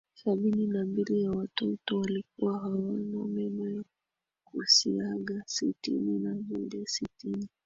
sabini na mbili ya watoto walikuwa hawana meno ya kusiaga Sitini na moja sitini